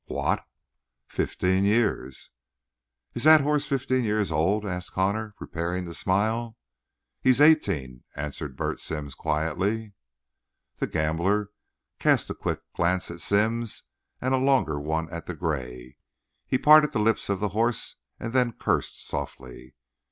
"What?" "Fifteen years." "Is that horse fifteen years old?" asked Connor, prepared to smile. "He is eighteen," answered Bert Sims quietly. The gambler cast a quick glance at Sims and a longer one at the gray. He parted the lips of the horse, and then cursed softly.